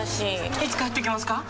いつ帰ってきますか？